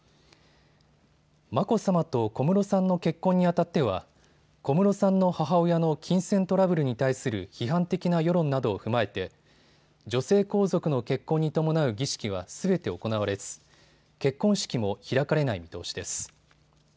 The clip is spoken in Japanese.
眞子さまと小室さんの結婚にあたっては小室さんの母親の金銭トラブルに対する批判的な世論などを踏まえて女性皇族の結婚に伴う儀式はすべて行われず結婚式も開かれない見通しです。